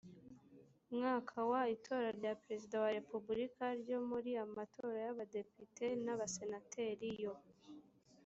mwaka wa itora rya perezida wa repubulika ryo muri amatora y abadepite n abasenateri yo